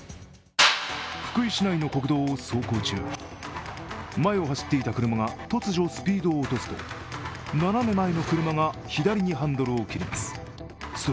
福井市内の国道を走行中前を走っていた車が突如スピードを落とすと斜め前の車が左にハンドルを切ります。